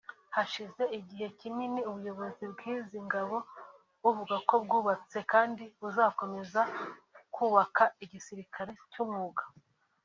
Hashize igihe kinini ubuyobozi bw’izi ngabo buvuga ko bwubatse kandi buzakomeza kubaka igisilikali cy’umwuga